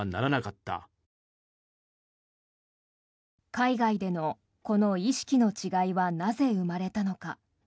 海外での、この意識の違いはなぜ生まれたのか。